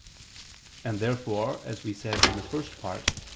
And therefore, as we said in the First Part (Q.